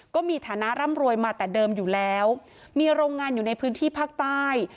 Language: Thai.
ก็มีฐานะร่ำรวยมาแต่เดิมอยู่แล้วมีโรงงานอยู่ในพื้นที่ภาคใต้